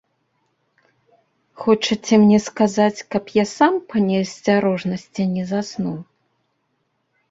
Хочаце мне сказаць, каб я сам па неасцярожнасці не заснуў?